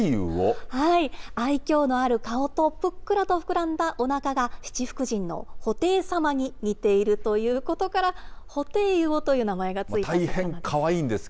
愛きょうのある顔と、ぷっくらと膨らんだおなかが七福神の布袋様に似ているということから、ホテイウオという名前が付いたそうなんです。